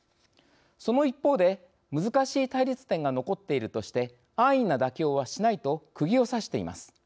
その一方で難しい対立点が残っているとして安易な妥協はしないとくぎをさしています。